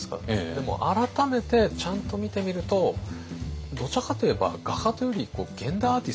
でも改めてちゃんと見てみるとどちらかと言えば画家というより現代アーティストっていうんですか？